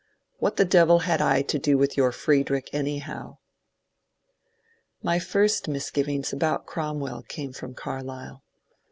What the devil had I to do with your Friedrich, anyhow!" My first misgivings about Cromwell came from Carlyle.